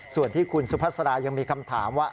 ส่วนที่คุณสุภาษารายังมีคำถามว่า